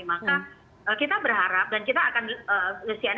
maka kita berharap dan kita akan cnn